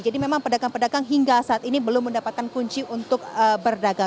jadi memang pedagang pedagang hingga saat ini belum mendapatkan kunci untuk berdagang